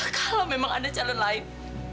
kalo memang ada jalan lain